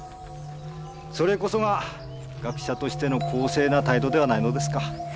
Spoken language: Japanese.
それこそが学者としての公正な態度ではないのですか？